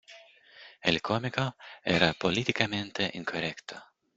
El cómico era políticamente incorrecto.